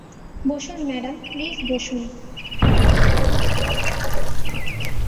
বসুন madam, please বসুন।